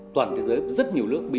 toàn thế giới rất nhiều nước bị